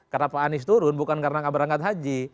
kenapa anies turun bukan karena kabar angkat haji